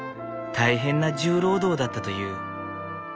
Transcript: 大変な重労働だったという。